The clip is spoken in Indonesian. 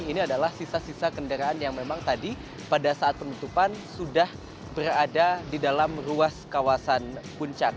ini adalah sisa sisa kendaraan yang memang tadi pada saat penutupan sudah berada di dalam ruas kawasan puncak